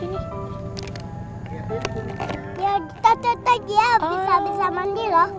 ya kita catat aja bisa mandi loh